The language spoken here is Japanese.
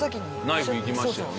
ナイフいきましたよね。